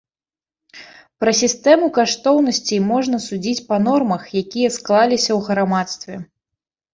Пра сістэму каштоўнасцей можна судзіць па нормах, якія склаліся ў грамадстве.